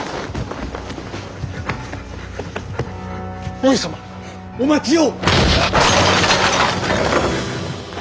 上様お待ちを！